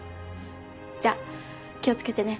じゃあ気を付けてね。